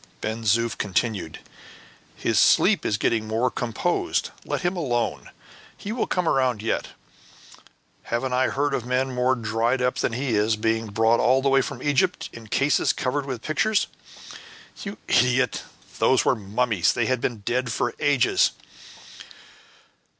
Ben Zoof continued, "His sleep is getting more composed. Let him alone; he will come round yet. Haven't I heard of men more dried up than he is, being brought all the way from Egypt in cases covered with pictures?" "You idiot! those were mummies; they had been dead for ages."